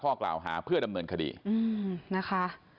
ข้อกล่าวหาเพื่อดำเนินคดีนะคะ